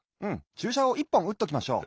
ちゅうしゃを１ぽんうっときましょう。